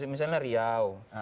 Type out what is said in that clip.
iya misalnya riau